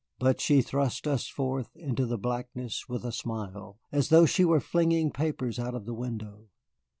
But she thrust us forth into the blackness with a smile, as though she were flinging papers out of the window.